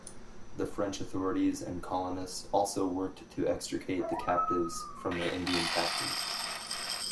French authorities and colonists also worked to extricate the captives from their Indian captors.